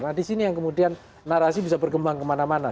nah di sini yang kemudian narasi bisa berkembang kemana mana